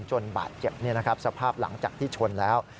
จนบาดเจ็บสภาพหลังจากที่ชนแล้ว